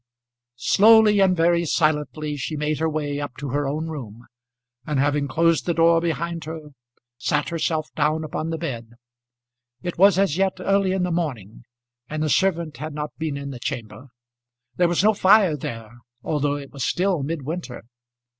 Slowly and very silently she made her way up to her own room, and having closed the door behind her sat herself down upon the bed. It was as yet early in the morning, and the servant had not been in the chamber. There was no fire there although it was still mid winter.